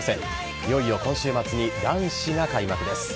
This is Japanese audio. いよいよ今週末に男子が開幕です。